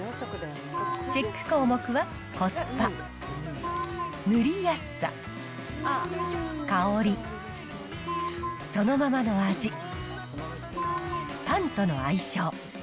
チェック項目は、コスパ、塗りやすさ、香り、そのままの味、パンとの相性。